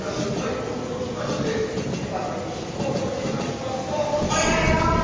棒を持ちまして戸締まりをしようといたしますと「お願いでございます。